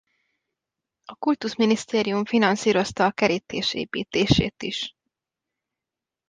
A kultuszminisztérium finanszírozta a kerítés építését is.